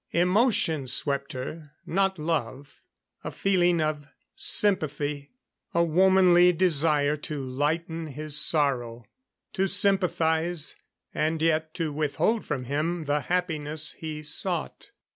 Emotion swept her. Not love. A feeling of sympathy; a womanly desire to lighten his sorrow; to sympathize and yet to withhold from him the happiness he sought.